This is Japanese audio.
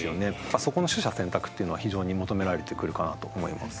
そこの取捨選択っていうのは非常に求められてくるかなと思います。